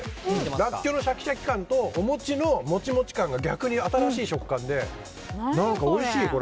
ラッキョウのシャキシャキ感とお餅のモチモチ感が逆に新しい食感で何かおいしい、これ。